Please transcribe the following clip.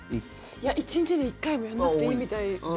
いや、１日に１回もやらなくていいみたいで。